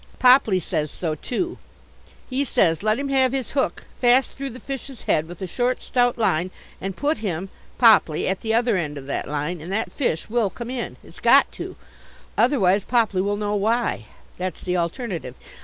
Popley says so too. He says let him have his hook fast through the fish's head with a short stout line, and put him (Popley) at the other end of that line and that fish will come in. It's got to. Otherwise Popley will know why. That's the alternative.